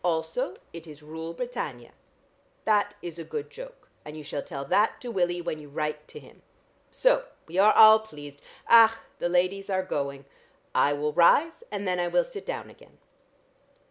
'Also, it is "Rule Britannia."' That is a good joke, and you shall tell that to Willie when you write to him. So! We are all pleased. Ach! The ladies are going. I will rise, and then I will sit down again."